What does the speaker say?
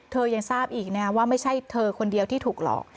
ยังทราบอีกนะว่าไม่ใช่เธอคนเดียวที่ถูกหลอก